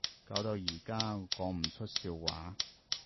搞到而家我講唔出笑話